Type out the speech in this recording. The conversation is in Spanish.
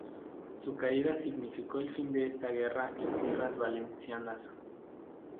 Su caída significó el fin de esta guerra en tierras valencianas.